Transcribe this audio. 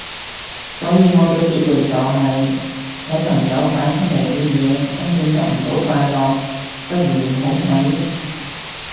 所以我嘅結論就係睇朋友擺出嚟嘅嘢根本得唔到快樂，不如唔好睇